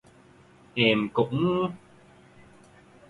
Em cũng